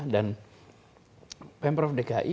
dan pemprov dki